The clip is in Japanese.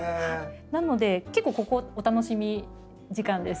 なので結構ここお楽しみ時間です。